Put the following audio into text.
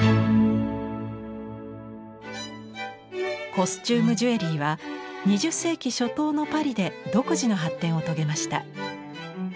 コスチュームジュエリーは２０世紀初頭のパリで独自の発展を遂げました。